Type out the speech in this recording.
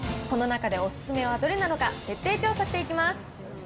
この中でお勧めはどれなのか、徹底調査していきます。